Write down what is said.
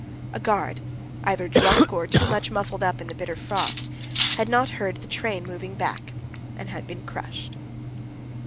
A guard, either drunk or too much muffled up in the bitter frost, had not heard the train moving back, and had been crushed.